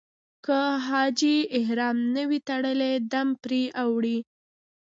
که حاجي احرام نه وي تړلی دم پرې اوړي.